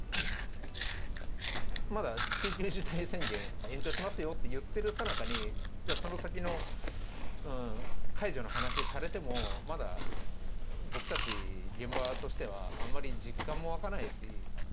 まだ緊急事態宣言延長しますよって言ってるさなかに、じゃあ、その先の解除の話されても、まだ僕たち、現場としてはあんまり実感も湧かないし。